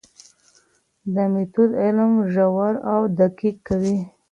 دا مېتود علم ژور او دقیق کوي.